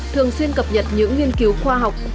thường xuyên cập nhật những nghiên cứu khoa học